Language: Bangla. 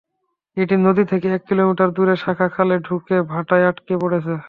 এটি নদী থেকে এক কিলোমিটার দূরে শাখা খালে ঢুকে ভাটায় আটকা পড়েছে।